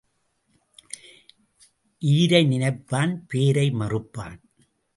ஈரை நினைப்பான், பேரை மறப்பான்.